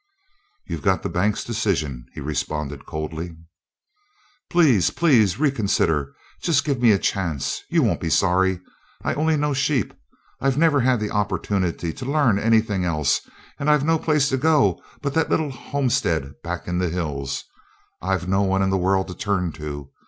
"You've got the bank's decision," he responded, coldly. "Please please reconsider! Just give me a chance you won't be sorry! I only know sheep I've never had the opportunity to learn anything else, and I've no place to go but that little homestead back in the hills. I've no one in the world to turn to.